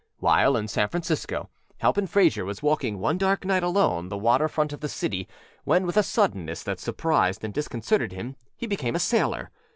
While in San Francisco Halpin Frayser was walking one dark night along the water front of the city, when, with a suddenness that surprised and disconcerted him, he became a sailor.